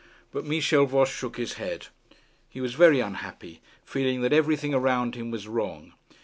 But Michel Voss shook his head. He was very unhappy, feeling that everything around him was wrong.